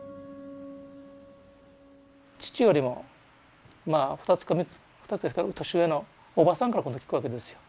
父よりもまあ２つか３つ２つですか年上のおばさんから今度聞くわけですよ。